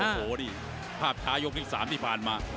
โอ้โหนี่ภาพช้ายกที่๓ที่ผ่านมา